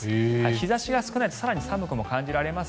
日差しが少ないと更に寒くも感じられます